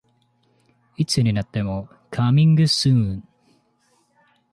いつになってもカミングスーン